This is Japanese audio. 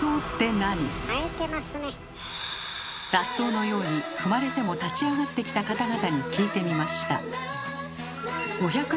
雑草のように踏まれても立ち上がってきた方々に聞いてみました。